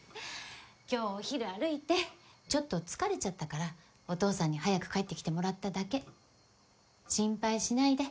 今日お昼歩いてちょっと疲れちゃったからお父さんに早く帰って来てもらっただけ。心配しないで。